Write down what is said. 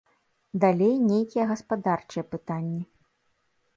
Далей нейкія гаспадарчыя пытанні.